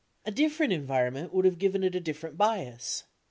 A different environment would have given it a different bias.